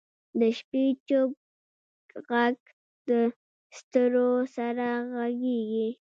د شپې چوپ ږغ د ستورو سره غږېږي.